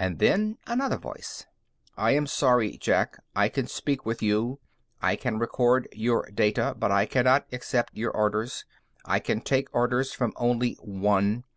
And then another voice. _I am sorry, Jack. I can speak with you. I can record your data. But I cannot accept your orders. I can take orders from only One.